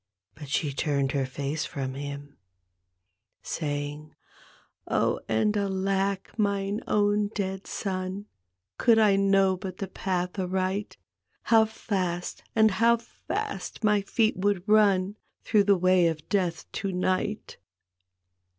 " But she turned her face from him, Saying, " Oh and alack, mine own dead son, Could 1 know hut the path aright. How fast and how fast my feet would run Through the way o' Death to night!"